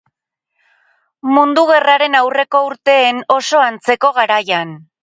Mundu Gerraren aurreko urteen oso antzeko garaian.